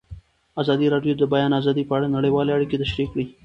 ازادي راډیو د د بیان آزادي په اړه نړیوالې اړیکې تشریح کړي.